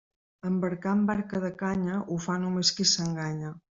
Embarcar en barca de canya ho fa només qui s'enganya.